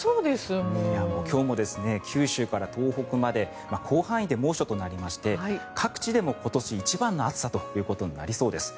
今日も九州から東北まで広範囲で猛暑となりまして各地で今年一番の暑さということになりそうです。